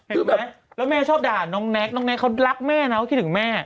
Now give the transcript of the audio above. เห็นไหมแบบแล้วแม่ชอบด่านน้องเนคน้องเนคเขารักแม่นะว่าคิดถึงแม่